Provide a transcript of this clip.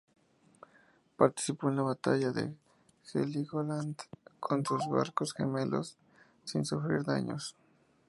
Participó en la batalla de Heligoland con sus barcos gemelos, sin sufrir daños.